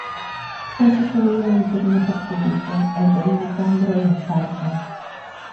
Fue sucedido en el trono por su hijo, el rey Nicandro de Esparta.